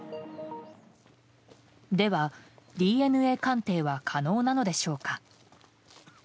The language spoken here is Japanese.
では、ＤＮＡ鑑定は可能なのでしょうか。